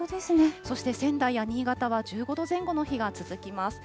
そして仙台や新潟は１５度前後の日が続きます。